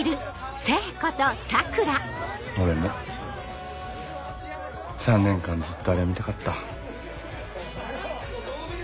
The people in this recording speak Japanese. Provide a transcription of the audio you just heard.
俺も３年間ずっとあれが見たかった。